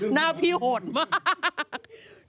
หน้าพี่โหดมาก